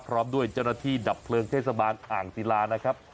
พร้อมด้วยเจ้าหน้าที่ดับเพลิงเทศบาลอ่างศิลานะครับ